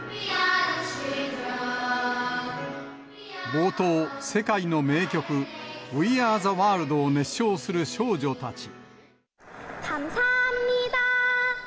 冒頭、世界の名曲、ウィ・アー・ザ・ワールドを熱唱する少女たち。